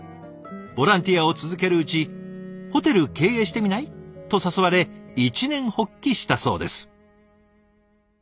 ボランティアを続けるうち「ホテル経営してみない？」と誘われ一念発起したそうです。